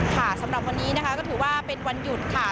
ค่ะสำหรับวันนี้นะคะก็ถือว่าเป็นวันหยุดค่ะ